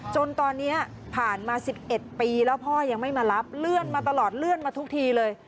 จนตอนนี้ผ่านมา๑๑ปีแล้วพ่อยังไม่มารับเลื่อนมาตลอดเลื่อนมาทุกทีเลย